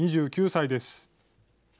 ２９歳です。